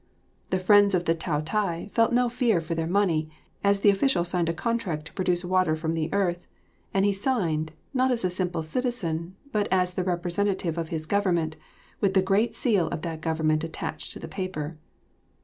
The friends of the Taotai felt no fear for their money, as the official signed a contract to produce water from the earth, and he signed, not as a simple citizen but as the representative of his government, with the great seal of that government attached to the paper.